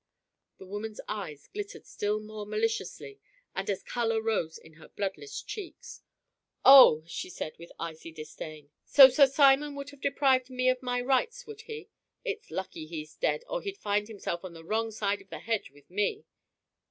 The woman's eyes glittered still more maliciously and a color rose in her bloodless cheeks. "Oh!" she said, with icy disdain, "so Sir Simon would have deprived me of my rights, would he? It's lucky he's dead, or he'd find himself on the wrong side of the hedge with me."